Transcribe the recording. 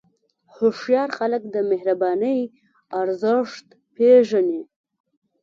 هوښیار خلک د مهربانۍ ارزښت پېژني.